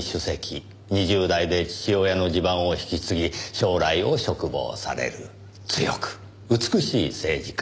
２０代で父親の地盤を引き継ぎ将来を嘱望される強く美しい政治家。